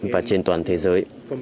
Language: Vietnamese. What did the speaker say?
và trên toàn thế giới